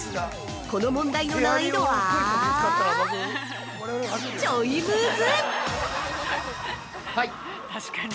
この問題の難易度はちょいムズ！